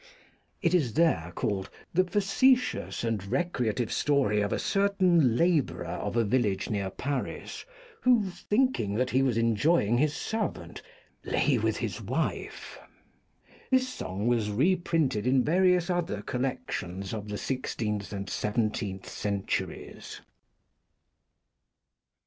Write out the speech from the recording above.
It is there called "The facetious and recreative story of a certain labourer of a village near Paris, who, thinking that he was en joying his servant, lay with his wife." This song was reprinted in various other collections of the sixteenth and seventeenth centuries.